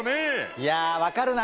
いやわかるな。